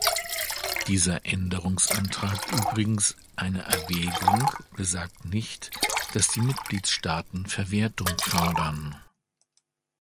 Dieser Änderungsantrag, übrigens eine Erwägung, besagt nicht, dass die Mitgliedstaaten Verwertung fördern.